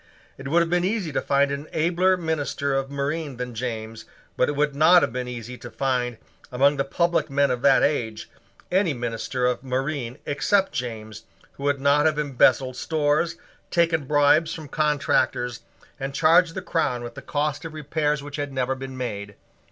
It would have been easy to find an abler minister of marine than James; but it would not have been easy to find, among the public men of that age, any minister of marine, except James, who would not have embezzled stores, taken bribes from contractors, and charged the crown with the cost of repairs which had never been made.